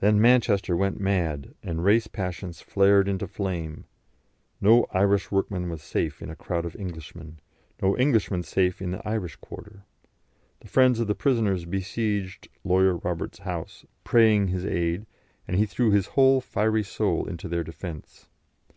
Then Manchester went mad, and race passions flared up into flame; no Irish workman was safe in a crowd of Englishmen, no Englishman safe in the Irish quarter. The friends of the prisoners besieged "Lawyer Roberts's" house, praying his aid, and he threw his whole fiery soul into their defence.